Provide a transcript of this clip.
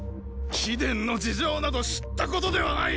貴殿の事情など知ったことではない！